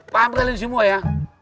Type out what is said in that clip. paham kalian semua ya